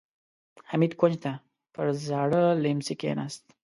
حميد کونج ته پر زاړه ليمڅي کېناست.